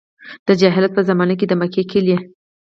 د جاهلیت په زمانه کې د مکې کیلي.